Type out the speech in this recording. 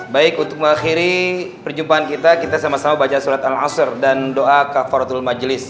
baik untuk mengakhiri perjumpaan kita kita sama sama baca surat al asr dan doa ke farotul majelis